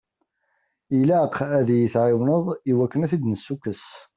Ilaq ad yi-tɛawneḍ i wakken ad ten-id-nessukkes.